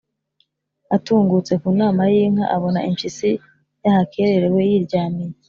Atungutse ku nama y’ inka abona impyisi yahakererewe yiryamiye